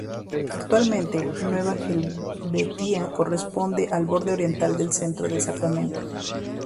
Actualmente, Nueva Helvetia corresponde al borde oriental del centro de Sacramento.